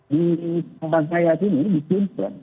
di pantang kaya sini di simpran